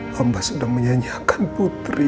hamba sudah menyanyiakan putri